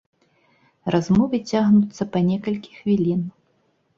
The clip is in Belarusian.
Размовы цягнуцца па некалькі хвілін.